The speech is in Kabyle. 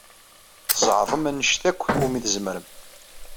Tzeɛḍem anect akk umi tzemrem.